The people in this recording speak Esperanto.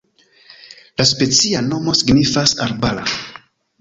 La specia nomo signifas arbara.